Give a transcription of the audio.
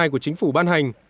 của chính phủ ban hành